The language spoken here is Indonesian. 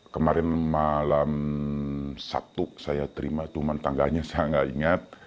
kemarin malam sabtu saya terima cuma tangganya saya nggak ingat